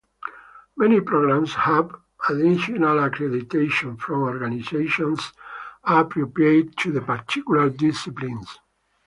Many programs have additional accreditation from organizations appropriate to the particular disciplines.